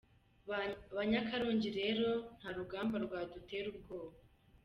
Banyakarongi rero nta rugamba rwadutera ubwoba.